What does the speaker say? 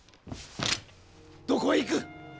どこへ行く！？